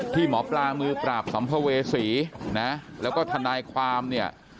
ที่หมอปลามือปราบสวมเผิวเวศรีนะแล้วก็ท่านายความเนี่ย